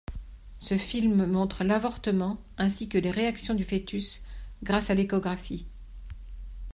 Ce film montre l'avortement ainsi que les réactions du fœtus grâce à l’échographie.